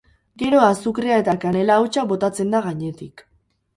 Gero azukrea eta kanela hautsa botatzen da gainetik.